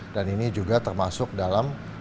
dan ini juga termasuk dalam